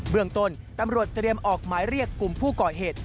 เมืองต้นตำรวจเตรียมออกหมายเรียกกลุ่มผู้ก่อเหตุ